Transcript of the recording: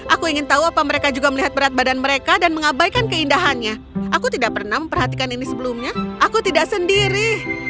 aku ingin tahu apa mereka juga melihat berat badan mereka dan mengabaikan keindahannya aku tidak pernah memperhatikan ini sebelumnya aku tidak sendiri